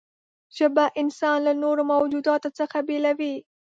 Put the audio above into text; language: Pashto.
ژبه انسان له نورو موجوداتو څخه بېلوي.